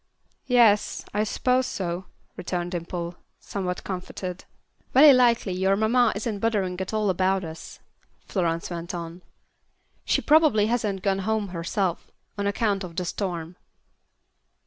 "Yes, I s'pose so," returned Dimple, somewhat comforted. "Very likely your mamma isn't bothering at all about us," Florence went on. "She probably hasn't gone home herself, on account of the storm."